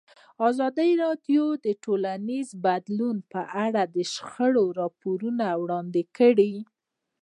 ازادي راډیو د ټولنیز بدلون په اړه د شخړو راپورونه وړاندې کړي.